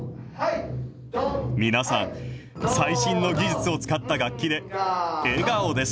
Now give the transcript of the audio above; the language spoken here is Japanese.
皆さん、最新の技術を使った楽器で、笑顔です。